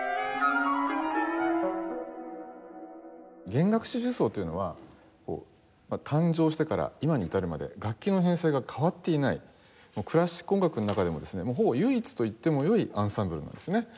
弦楽四重奏というのは誕生してから今に至るまで楽器の編成が変わっていないクラシック音楽の中でもですねほぼ唯一といってもよいアンサンブルなんですね。